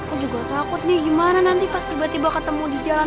oh juga takut nih gimana nanti pas tiba tiba ketemu di jalan